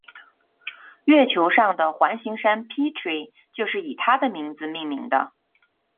月球上的环形山 Petrie 就是以他的名字命名的。